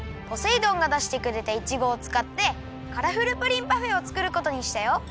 ポセイ丼がだしてくれたいちごをつかってカラフルプリンパフェをつくることにしたよ